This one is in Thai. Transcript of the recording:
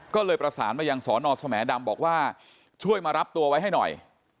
ก็เลยประสานมายังสอนอสแหมดำบอกว่าช่วยมารับตัวไว้ให้หน่อย